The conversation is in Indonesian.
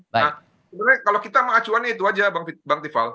nah sebenarnya kalau kita mengacuannya itu aja bang tiffal